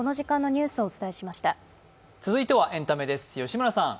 続いてはエンタメです。